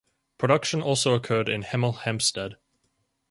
Production also occurred in Hemel Hempstead.